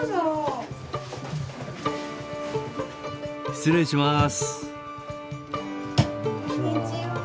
失礼します。